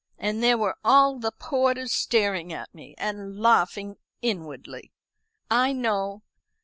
And there were all the porters staring at me, and laughing inwardly, I know.